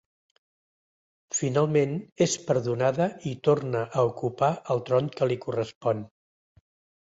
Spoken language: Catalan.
Finalment és perdonada i torna a ocupar el tron que li correspon.